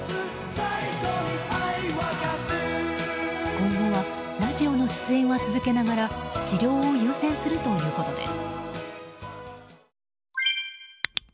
今後はラジオの出演は続けながら治療を優先するということです。